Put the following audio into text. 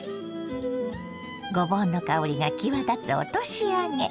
ごぼうの香りが際立つ落とし揚げ。